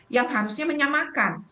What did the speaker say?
yang harusnya menyamakan